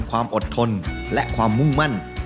ความอดทนและความมุ่งมั่น